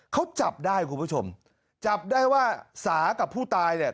เขาจับได้คุณผู้ชมจับได้ว่าสากับผู้ตายเนี่ย